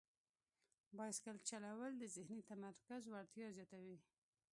بایسکل چلول د ذهني تمرکز وړتیا زیاتوي.